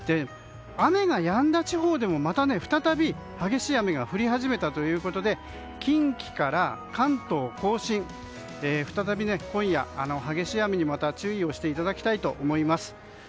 雨がやんだ地方でもまた再び激しい雨が降り始めたということで近畿から関東・甲信再び今夜激しい雨にまた注意していただきたいと思います。